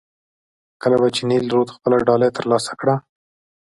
کله به چې نیل رود خپله ډالۍ ترلاسه کړه.